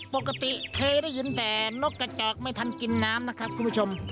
ปกติเคยได้ยินแต่นกกระแจกไม่ทันกินน้ำนะครับคุณผู้ชม